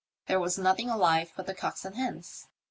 There was nothing alive but the cocks and hens.